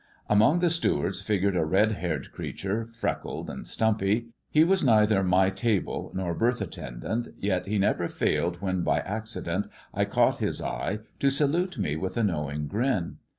Among the stewards figured a red haired creature, freckled and stumpy. He was neither my table nor berth attendant, yet he never failed, when by accident I caught his eye, to salute me with a knowing grin.